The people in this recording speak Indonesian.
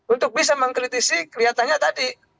untuk bisa mengkritisi kelihatannya tadi